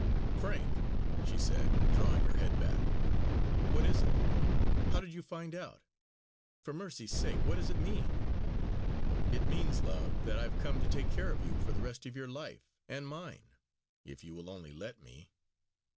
"Frank!" she said, drawing her head back. "What is it? How did you find out? For mercy's sake what does it mean?" "It means, love, that I've come to take care of you for the rest of your life and mine, if you will only let me.